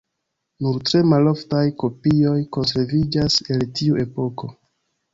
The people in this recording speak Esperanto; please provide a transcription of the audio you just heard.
Nur tre maloftaj kopioj konserviĝas el tiu epoko.